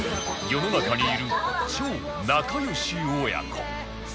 世の中にいる超仲良し親子